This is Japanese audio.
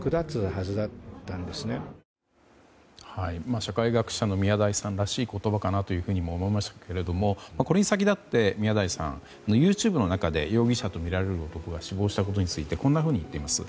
社会学者の宮台さんらしい言葉かなとも思いましたけれどもこれに先立って、宮台さんＹｏｕＴｕｂｅの中で容疑者とみられる男が死亡したことについてこんなふうに言っています。